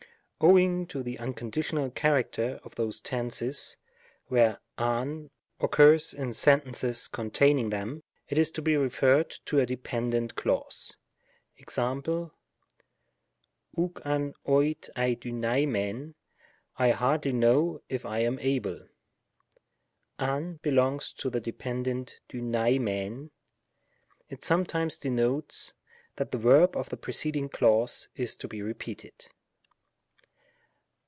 Owing to the unconditional character of those tenses, where av occurs in sentences containing them, it is to be referred to a dependent clause. JSz?., oif^ av oid^ d 8vvai/Ltr]v^ "I hardly know if I am able;" av belongs to the dependent hvvai^riv. It sometimes denotes that the verb of a preceding clause is to be repeated.